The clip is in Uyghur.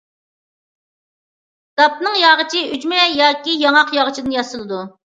داپنىڭ ياغىچى ئۈجمە ياكى ياڭاق ياغىچىدىن ياسىلىدۇ.